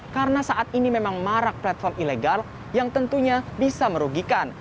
karena saat ini memang marak platform ilegal yang tentunya bisa merugikan